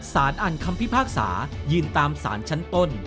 สารอ่านคำพิพากษายืนตามสารชั้นต้น